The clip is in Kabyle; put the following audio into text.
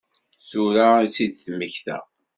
Tura i tt-id-temmekta?